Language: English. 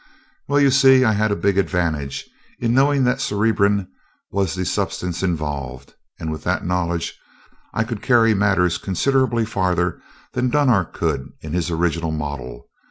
"Well, you see, I had a big advantage in knowing that cerebrin was the substance involved, and with that knowledge I could carry matters considerably farther than Dunark could in his original model.